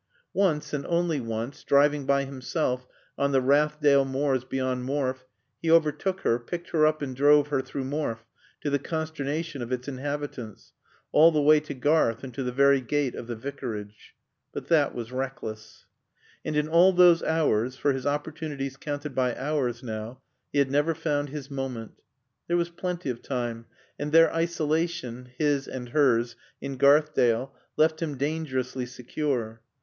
Once, and only once, driving by himself on the Rathdale moors beyond Morfe, he overtook her, picked her up and drove her through Morfe (to the consternation of its inhabitants) all the way to Garth and to the very gate of the Vicarage. But that was reckless. And in all those hours, for his opportunities counted by hours now, he had never found his moment. There was plenty of time, and their isolation (his and hers) in Garthdale left him dangerously secure.